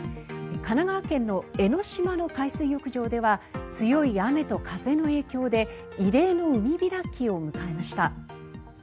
神奈川県の江の島の海水浴場では強い雨と風の影響で異例の海開きを迎えました。